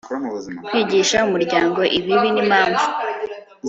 kwigisha umuryango ibibi n'impanvu